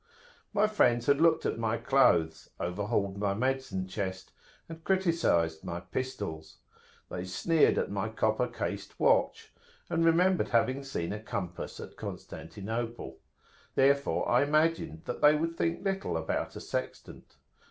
My friends had looked at my clothes, overhauled my medicine chest, and criticised my pistols; they sneered at my copper cased watch,[FN#4] and remembered having seen a compass at Constantinople. Therefore I imagined they would think little about a sextant.